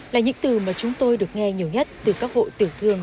là những từ mà chúng tôi được nghe nhiều nhất từ các hộ tiểu thương